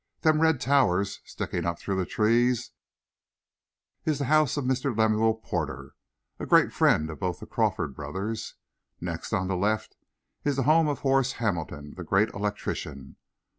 Them red towers, sticking up through the trees, is the house of Mr. Lemuel Porter, a great friend of both the Crawford brothers. Next, on the left, is the home of Horace Hamilton, the great electrician.